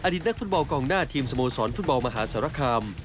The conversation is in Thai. อดิตนักฟุตเบากองหน้าทีมสโมสรฟุตเบามหาสารคาม